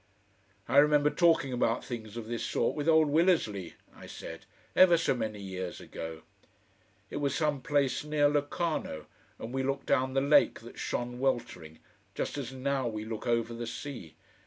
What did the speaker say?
"I remember talking about things of this sort with old Willersley," I said, "ever so many years ago. It was some place near Locarno, and we looked down the lake that shone weltering just as now we look over the sea.